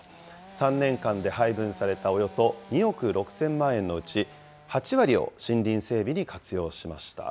３年間で配分されたおよそ２億６０００万円のうち、８割を森林整備に活用しました。